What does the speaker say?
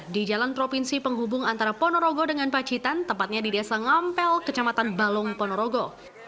di jalan provinsi penghubung antara ponorogo dengan pacitan tempatnya di desa ngampel kecamatan balong ponorogo